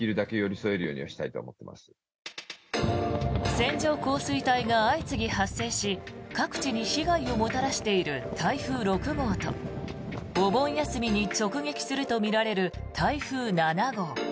線状降水帯が相次ぎ発生し各地に被害をもたらしている台風６号とお盆休みに直撃するとみられる台風７号。